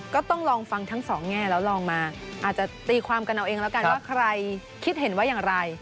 ก็ต้องลองฟังทั้งสองแง่แล้วลองมาอาจจะตีความกันเอาเองแล้วกันว่าใครคิดเห็นว่าอย่างไร